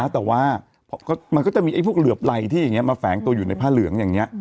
แต่ว่ามันก็จะมีพวกเหลือบไหล่ที่อย่างนี้มาแฝงตัวอยู่ในผ้าเหลืองอย่างนี้